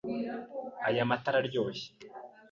Aya mata araryoshye.